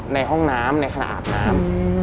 ในห้องน้ำในขณะอาบน้ำ